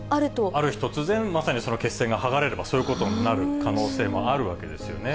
ある日突然、その血栓が剥がれればそういうことになる可能性もあるわけですよね。